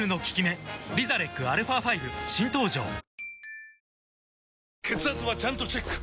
ぷはーっ血圧はちゃんとチェック！